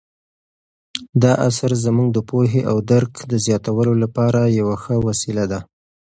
دا اثر زموږ د پوهې او درک د زیاتولو لپاره یوه ښه وسیله ده.